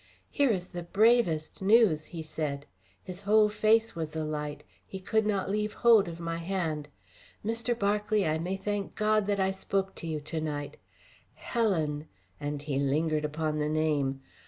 "Here is the bravest news," he said. His whole face was alight; he could not leave hold of my hand. "Mr. Berkeley, I may thank God that I spoke to you to night. 'Helen!'" and he lingered upon the name.